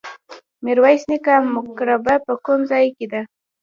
میرویس نیکه مقبره په کوم ځای کې ده؟